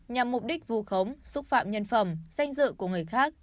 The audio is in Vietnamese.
nhằm mục đích vù khống xúc phạm nhân phẩm danh dự của người khác